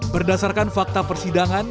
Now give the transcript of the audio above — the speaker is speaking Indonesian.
berdasarkan fakta persidangan